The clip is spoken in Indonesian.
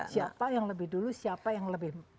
siapa yang lebih dulu siapa yang lebih